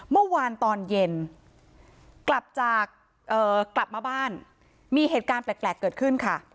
เมื่อวานตอนเย็นกลับจากกลับมาบ้านมีเหตุการณ์แปลกเกิดขึ้นค่ะ